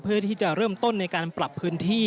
เพื่อที่จะเริ่มต้นในการปรับพื้นที่